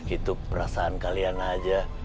itu perasaan kalian aja